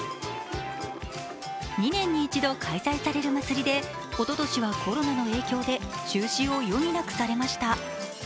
２年に一度開催される祭りでおととしはコロナの影響で中止を余儀なくされました。